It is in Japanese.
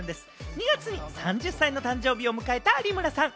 ２月に３０歳の誕生日を迎えた有村さん。